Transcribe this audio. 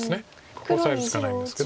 ここオサえるしかないんですけど。